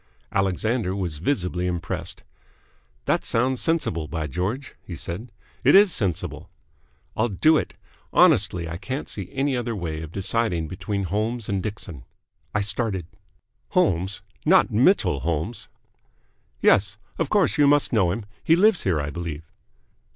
Alexander was visibly impressed. "That sounds sensible, by George!" he said. "It is sensible." "I'll do it! Honestly, I can't see any other way of deciding between Holmes and Dixon." I started. "Holmes? Not Mitchell Holmes?" "Yes. Of course you must know him? He lives here, I believe."